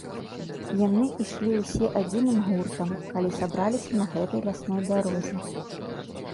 Яны ішлі ўсе адзіным гуртам, калі сабраліся на гэтай лясной дарозе.